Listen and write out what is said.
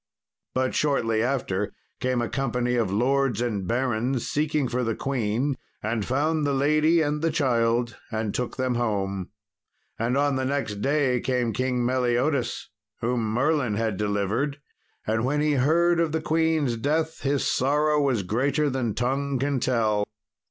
But shortly after came a company of lords and barons seeking for the queen, and found the lady and the child and took them home. And on the next day came King Meliodas, whom Merlin had delivered, and when he heard of the queen's death his sorrow was greater than tongue can tell.